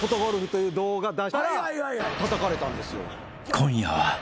［今夜は］